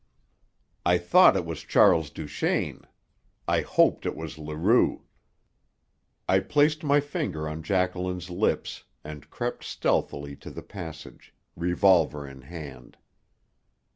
I thought it was Charles Duchaine. I hoped it was Leroux. I placed my finger on Jacqueline's lips and crept stealthily to the passage, revolver in hand.